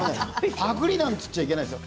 パクりなんて言っちゃいけませんよ